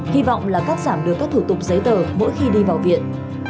hy vọng là cắt giảm được các thủ tục giấy tờ mỗi khi đi vào viện